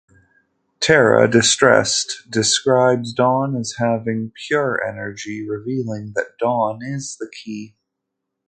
Tara, distressed, describes Dawn as having "pure" energy, revealing that Dawn is the key.